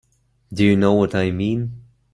Do you know what I mean?